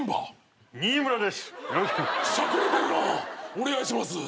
お願いします。